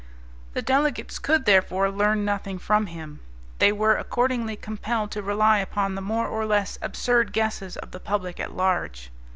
The delegates could, therefore, learn nothing from him. They were accordingly compelled to rely upon the more or less absurd guesses of the public at large.